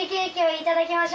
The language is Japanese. いただきます！